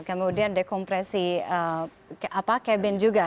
kemudian dekompresi cabin juga